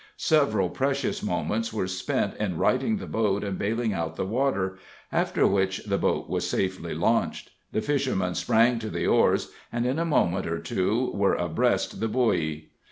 Several precious moments were spent in righting the boat and bailing out the water, after which the boat was safely launched, the fishermen sprang to the oars, and in a moment or two were abreast the buoy.